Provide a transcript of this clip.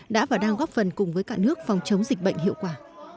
đã và đang góp phần cùng với cả nước phòng chống dịch bệnh hiệu quả